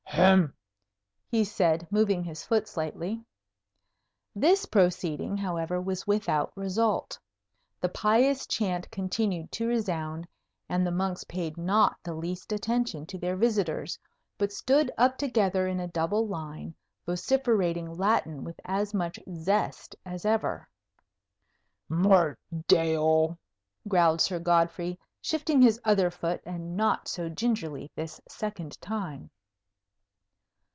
"Hem!" he said, moving his foot slightly. This proceeding, however, was without result. The pious chant continued to resound, and the monks paid not the least attention to their visitors, but stood up together in a double line, vociferating Latin with as much zest as ever. "Mort d'aieul!" growled Sir Godfrey, shifting his other foot, and not so gingerly this second time.